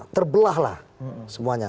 terbelah lah semuanya